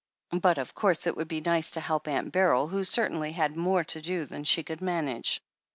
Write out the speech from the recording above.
But of course it would be nice to help Atmt Beryl, who certainly had more to do than she could manage.